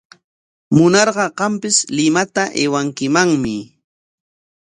Munarqa qampis Limata aywankimanmi.